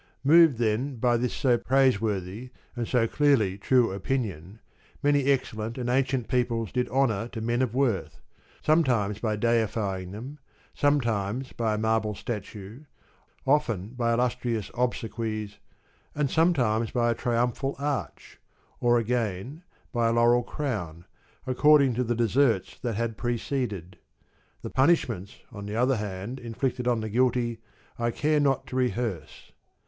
Moved then by this so praiseworthy and so clearly true opinion, many excellent and ancient peoples did honour to men of worth, sometimes by deifying them, sometimes by a marble statue, often by illustrious obsequies, and sometimes by a triumphal arch, or again by a laurel crown, according to the deserts that had preceded. The punishments, on the other hand, inflicted on the guilty I care not to re hearse.